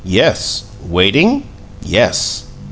Yes! Waiting? Yes!"